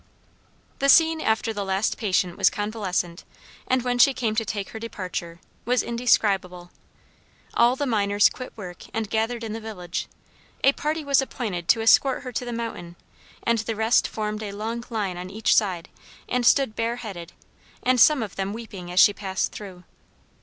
The scene after the last patient was convalescent, and when she came to take her departure, was indescribable. All the miners quit work and gathered in the village; a party was appointed to escort her to the mountain and the rest formed a long line on each side and stood bareheaded and some of them weeping as she passed through.